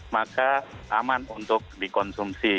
maka aman untuk dikonsumsi